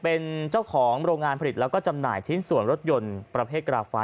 เป็นเจ้าของโรงงานผลิตแล้วก็จำหน่ายชิ้นส่วนรถยนต์ประเภทกราฟ้า